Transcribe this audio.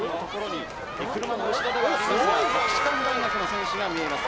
車の後ろではありますが、国士舘大学の選手が見えます。